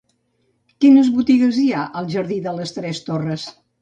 Quines botigues hi ha al jardí de les Tres Torres?